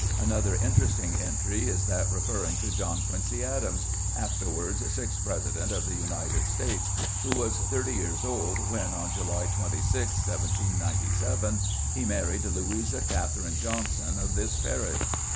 Another interesting entry is that referring to John Quincy Adams, afterwards sixth President of the United States, who was thirty years old when, on July 26, 1797, he married Louisa Catherine Johnson of this parish.